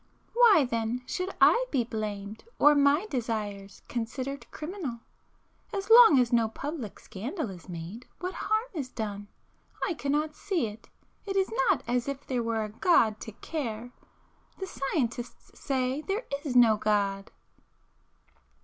Why then should I be blamed or my desires considered criminal? As long as no public scandal is made, what harm is done? I cannot see it,—it is not as if there were a God to care,—the scientists say there is no God!